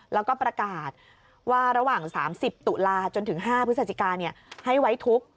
แล้วก็ประกาศว่าระหว่าง๓๐ตุลาจนถึง๕พฤศจิกาให้ไว้ทุกข์